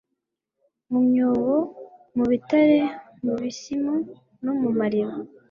mu myobo, mu bitare, mu bisimu no mu mariba